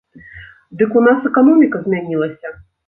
Дык у нас эканоміка змянілася.